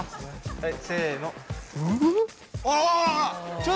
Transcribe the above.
はい。